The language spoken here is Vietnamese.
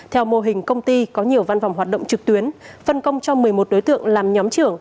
theo mô hình công ty có nhiều văn phòng hoạt động trực tuyến phân công cho một mươi một đối tượng làm nhóm trưởng